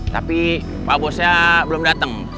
tapi pak bosnya belum datang